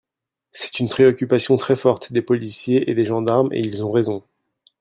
C’est une préoccupation très forte des policiers et des gendarmes, et ils ont raison.